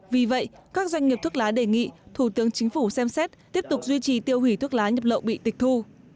vì vậy các doanh nghiệp thuốc lá đề nghị thủ tướng chính phủ xem xét tiếp tục duy trì tiêu hủy thuốc lá nhập lậu bị tịch thu